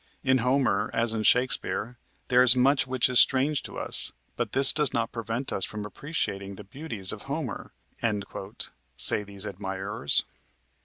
In Homer, as in Shakespeare, there is much which is strange to us, but this does not prevent us from appreciating the beauties of Homer," say these admirers.